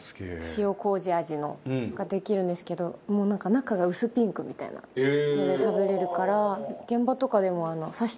塩麹味のができるんですけどもう中が薄ピンクみたいなので食べれるから。